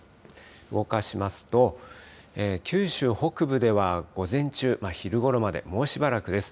動かしますと、九州北部では午前中、昼ごろまでもうしばらくです。